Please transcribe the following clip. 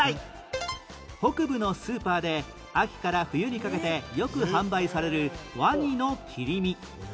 北部のスーパーで秋から冬にかけてよく販売されるワニの切り身